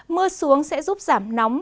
mưa xuống sẽ giúp giảm nóng